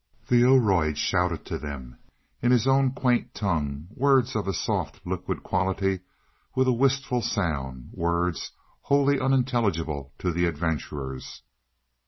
The Oroid shouted to them in his own quaint tongue, words of a soft, liquid quality with a wistful sound words wholly unintelligible to the adventurers.